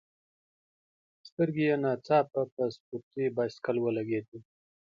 سترګي یې نا ځاپه په سپورټي بایسکل ولګېدې.